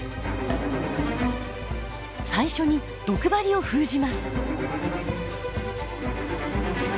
最初に毒針を封じます。